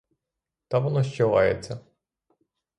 Та воно ще лається.